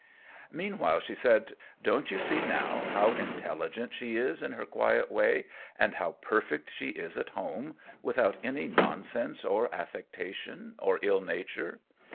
Meanwhile she said :" Don't you see, now, how intelligent she is, in her quiet way, and how perfect she is at home — without any nonsense or affectation or ill nature?